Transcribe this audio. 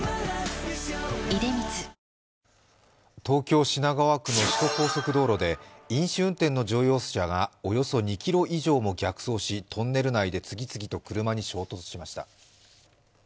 東京・品川区の首都高速道路で飲酒運転の乗用車がおよそ２ｋｍ以上も逆走し、トンネル内で次々と車に衝突しました。